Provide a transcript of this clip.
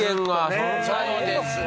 そうですね。